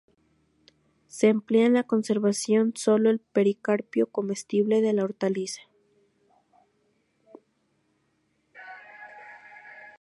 Se emplea en la conservación sólo el pericarpio comestible de la hortaliza.